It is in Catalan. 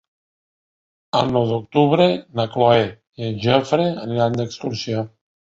El nou d'octubre na Cloè i en Jofre aniran d'excursió.